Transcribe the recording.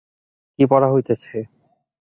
কী পড়া হইতেছে।